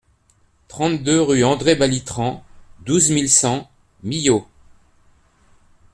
trente-deux rue André Balitrand, douze mille cent Millau